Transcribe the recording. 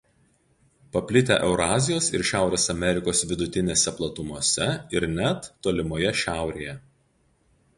Paplitę Eurazijos ir Šiaurės Amerikos vidutinėse platumose ir net tolimoje Šiaurėje.